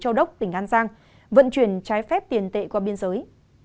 cơ quan cảnh sát điều tra công an tỉnh an giang vận chuyển trái phép tiền tệ qua biên giới